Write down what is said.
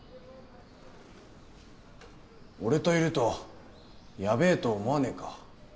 俺といるとヤベえと思わねえか？